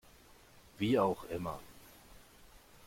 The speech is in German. Wie auch immer.